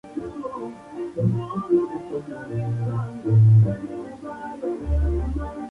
A la salida hacia el poniente se encuentra la ermita del Humilladero, recientemente restaurada.